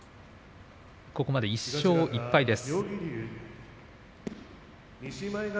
ここまで１勝１敗です。